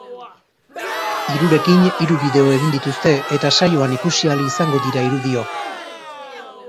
Hirurekin hiru bideo egin dituzte eta saioan ikusi ahal izango dira irudiok.